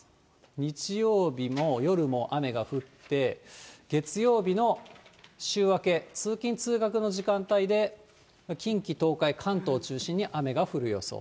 日曜日も夜も雨が降って、月曜日の週明け、通勤・通学の時間帯で、近畿、東海、関東を中心に雨が降る予想。